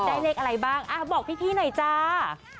เลขอะไรบ้างบอกพี่หน่อยจ้า